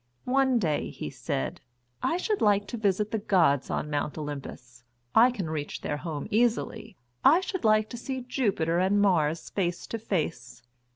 One day he said, "I should like to visit the gods on Mount Olympus. I can reach their home easily. I should like to see Jupiter and Mars face to face."